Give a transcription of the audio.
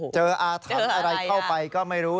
อาถรรพ์อะไรเข้าไปก็ไม่รู้